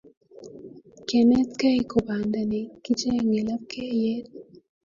Kenetkei ko panda ne kichenge lapkeiyet